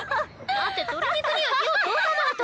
だって鶏肉には火を通さないと。